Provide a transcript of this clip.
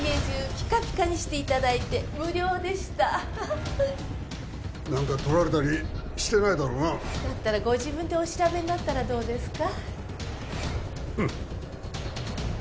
ピカピカにしていただいて無料でした何かとられたりしてないだろうなだったらご自分でお調べになったらどうですか？